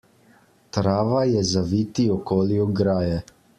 Trava je zaviti okoli ograje.